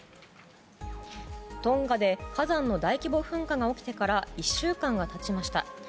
トンガで火山の大規模噴火が起きてから１週間が経ちました。